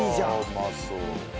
うまそう。